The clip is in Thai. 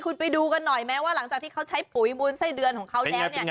คุณไปดูกันหน่อยแม้ว่าหลังจากที่เขาใช้ปุ๋ยมูลไส้เดือนของเขาแล้วเนี่ย